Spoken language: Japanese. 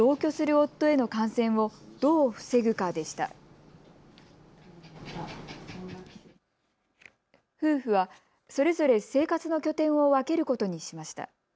夫婦はそれぞれ生活の拠点を分けることにしました。